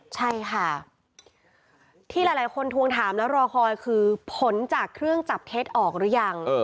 ใช่ค่ะที่หลายคนทวงถามแล้วรอคอยคือผลจากเครื่องจับเท็จออกหรือยัง